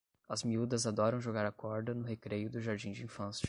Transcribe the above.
As miúdas adoram jogar à corda no recreio do jardim de infância.